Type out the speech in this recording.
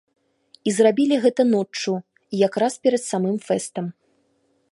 І зрабілі гэта ноччу, якраз перад самым фэстам.